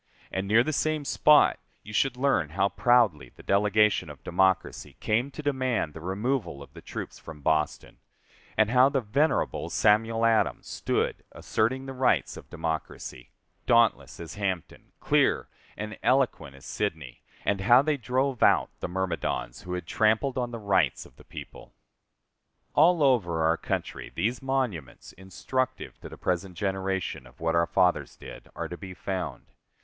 And near the same spot you should learn how proudly the delegation of democracy came to demand the removal of the troops from Boston, and how the venerable Samuel Adams stood asserting the rights of democracy, dauntless as Hampden, clear and eloquent as Sidney; and how they drove out the myrmidons who had trampled on the rights of the people. All over our country, these monuments, instructive to the present generation, of what our fathers did, are to be found.